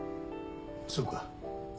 そうか。